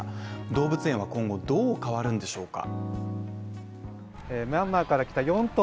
動物園は今後どう変わるんでしょうか？